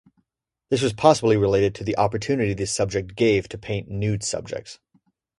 This was possibly related to the opportunity this subject gave to paint nude subjects.